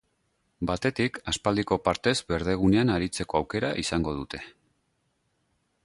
Batetik, aspaldiko partez berdegunean aritzeko aukera izango dute.